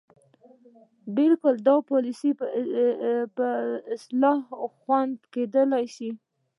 بلکې د پالسیو په اصلاح خوندې کیدلې شي.